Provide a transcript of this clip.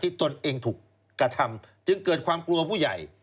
ตนเองถูกกระทำจึงเกิดความกลัวผู้ใหญ่